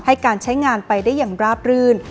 การใช้งานไปได้อย่างราบรื่น